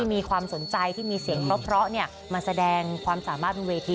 มีความสนใจที่มีเสียงเพราะมาแสดงความสามารถบนเวที